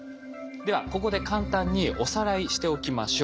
ではここで簡単におさらいしておきましょう。